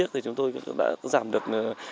thì chúng tôi đã giảm được